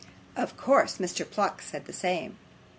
Of course Mr. Pluck said the same.